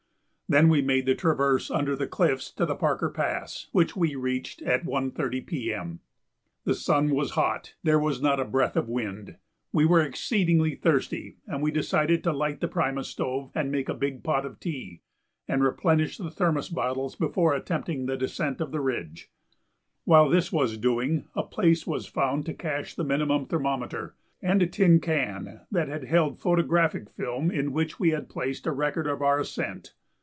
Then we made the traverse under the cliffs to the Parker Pass, which we reached at 1.30 P. M. The sun was hot; there was not a breath of wind; we were exceedingly thirsty and we decided to light the primus stove and make a big pot of tea and replenish the thermos bottles before attempting the descent of the ridge. While this was doing a place was found to cache the minimum thermometer and a tin can that had held a photographic film, in which we had placed a record of our ascent.